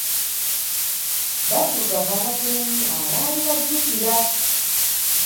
Baddugavu abatono ennyo abaali bajjukira.